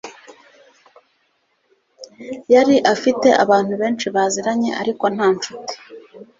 Yari afite abantu benshi baziranye, ariko nta nshuti.